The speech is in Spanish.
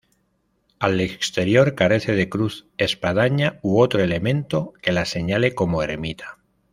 Al exterior, carece de cruz, espadaña u otro elemento que la señale como ermita.